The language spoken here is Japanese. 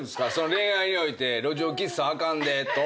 恋愛において路上キスはあかんでと。